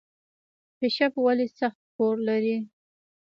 کیشپ ولې سخت کور لري؟